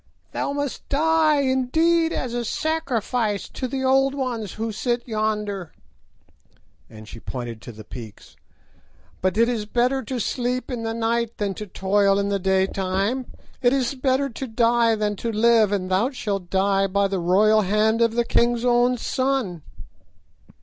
"Thou must die, indeed, as a sacrifice to the Old Ones who sit yonder," and she pointed to the peaks; "but it is better to sleep in the night than to toil in the daytime; it is better to die than to live, and thou shalt die by the royal hand of the king's own son."